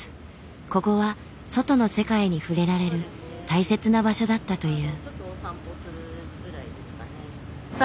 ここは外の世界に触れられる大切な場所だったという。